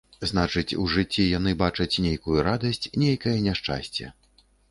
Значыць, у жыцці яны бачаць нейкую радасць, нейкае няшчасце.